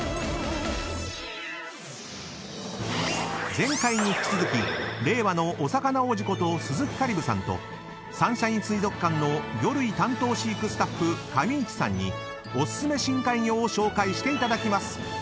［前回に引き続き令和のお魚王子こと鈴木香里武さんとサンシャイン水族館の魚類担当飼育スタッフ上市さんにお薦め深海魚を紹介していただきます］